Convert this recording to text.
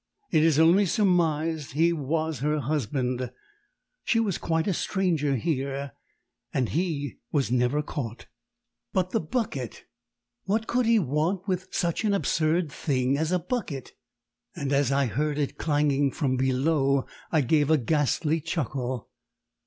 "It is only surmised he was her husband she was quite a stranger here and he was never caught." "But the bucket, what could he want with such an absurd thing as a bucket?" and as I heard it clanging from below I gave a ghastly chuckle.